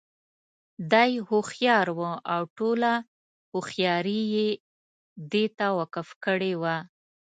دى هوښيار وو او ټوله هوښياري یې دې ته وقف کړې وه.